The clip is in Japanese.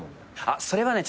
あっそれはね